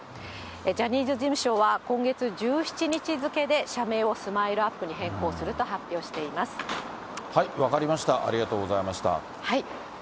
ジャニーズ事務所は今月１７日付で社名をスマイルアップに変更す分かりました、ありがとうございました。